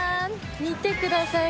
見てください